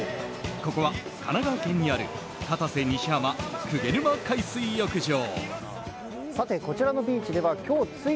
ここは神奈川県にある片瀬西浜・鵠沼海水浴場。